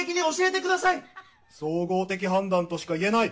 総合的判断としか言えない。